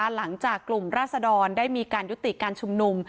หลังจากกลุ่มราศดรได้มีการยุติการชุมนุม